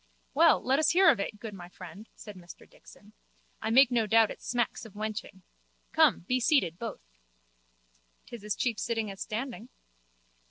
Well, let us hear of it, good my friend, said Mr Dixon. I make no doubt it smacks of wenching. Come, be seated, both. 'Tis as cheap sitting as standing.